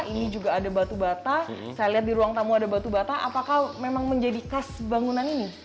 ini juga ada batu bata saya lihat di ruang tamu ada batu bata apakah memang menjadi khas bangunan ini